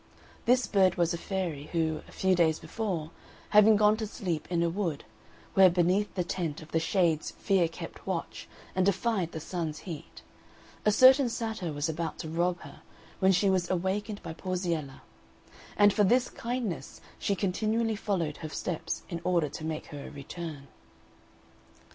This bird was a fairy, who, a few days before, having gone to sleep in a wood, where beneath the tent of the Shades Fear kept watch and defied the Sun's heat, a certain satyr was about to rob her when she was awakened by Porziella, and for this kindness she continually followed her steps in order to make her a return.